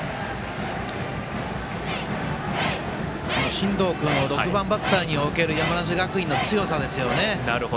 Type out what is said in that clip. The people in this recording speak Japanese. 進藤君を６番バッターに置ける山梨学院の強さですよね。